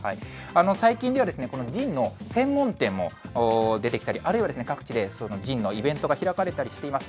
最近では、このＺＩＮＥの専門店も出てきたり、あるいは各地でＺＩＮＥのイベントが開かれたりしています。